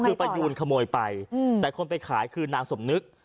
คือประยูนขโมยไปแต่คนไปขายคือนางสมนึก